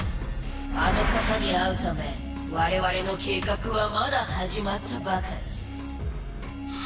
あの方に会うためわれわれの計画はまだはじまったばかり。